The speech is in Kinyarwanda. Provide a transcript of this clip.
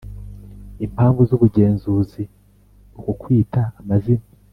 impamvu z ubugenzuzi uku kwita amazina